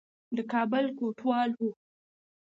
د کابل کوټوال وو.